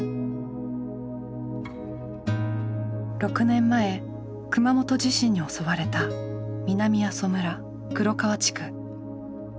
６年前熊本地震に襲われた南阿蘇村黒川地区。